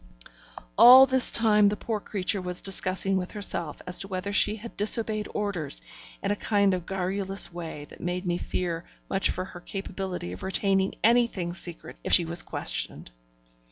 All this time the poor creature was discussing with herself as to whether she had disobeyed orders, in a kind of garrulous way that made me fear much for her capability of retaining anything secret if she was questioned.